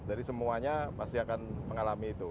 jadi semuanya pasti akan mengalami itu